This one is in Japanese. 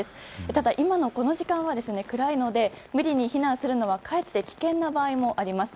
ただ、今のこの時間は暗いので無理に避難するのはかえって危険な場合があります。